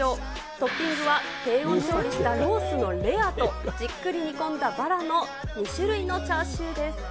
トッピングは低温調理したロースのレアと、じっくり煮込んだバラの２種類のチャーシューです。